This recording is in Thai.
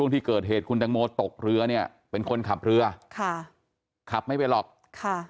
ที่เกิดเหตุคุณตังโมตกเรือเนี่ยเป็นคนขับเรือค่ะขับไม่เป็นหรอกค่ะ